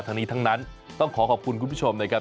ทั้งนี้ทั้งนั้นต้องขอขอบคุณคุณผู้ชมนะครับ